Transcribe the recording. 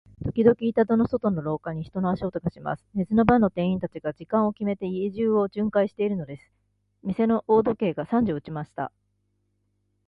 ときどき、板戸の外の廊下に、人の足音がします。寝ずの番の店員たちが、時間をきめて、家中を巡回じゅんかいしているのです。店の大時計が三時を打ちました。